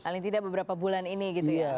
paling tidak beberapa bulan ini gitu ya